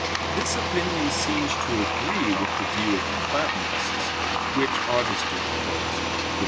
This opinion seems to agree with the view of the Platonists, which Augustine quotes (De Civ.